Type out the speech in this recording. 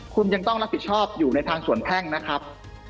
คุณยังต้องรับผิดชอบอยู่ในทางส่วนแพ่งนะครับ